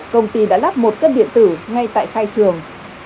công ty đã lắp một cân điện tử ngay tại khai trường